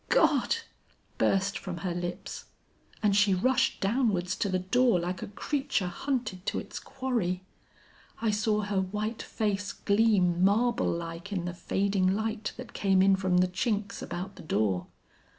"'God!' burst from her lips, and she rushed downwards to the door like a creature hunted to its quarry. I saw her white face gleam marble like in the fading light that came in from the chinks about the door.